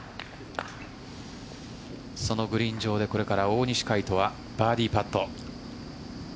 そのグリーン上でこれから大西魁斗はバーディーパット。